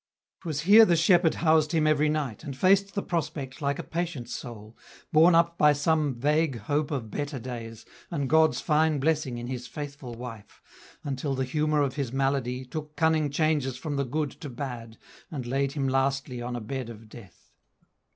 W. 'Twas here the shepherd housed him every night, And faced the prospect like a patient soul, Borne up by some vague hope of better days, And God's fine blessing in his faithful wife, Until the humour of his malady Took cunning changes from the good to bad, And laid him lastly on a bed of death.